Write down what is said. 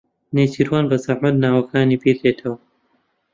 نێچیروان بەزەحمەت ناوەکانی بیردێتەوە.